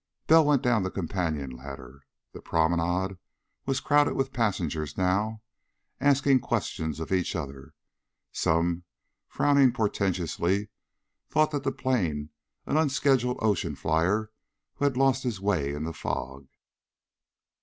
Bell went down the companion ladder. The promenade was crowded with passengers now, asking questions of each other. Some, frowning portentously, thought the plane an unscheduled ocean flier who had lost his way in the fog.